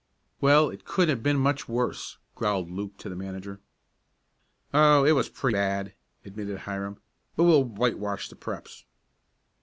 "Well, it couldn't have been much worse," growled Luke to the manager. "Oh, it was pretty bad," admitted Hiram, "but we'll whitewash the Preps."